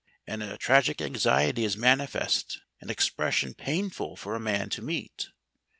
And a tragic anxiety is manifest, an expression painful for a man to meet.